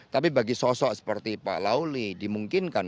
tapi bagi sosok seperti pak lauli dimungkinkan